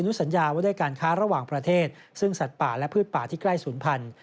ก็คือป้องกันพืชหรือสัตว์ที่ใกล้ศูนย์พันธุ์